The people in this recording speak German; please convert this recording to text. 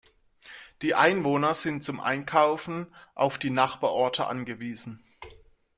Die Einwohner sind zum Einkaufen auf die Nachbarorte angewiesen.